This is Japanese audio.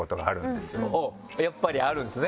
やっぱりあるんですね。